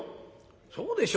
そうでしょ？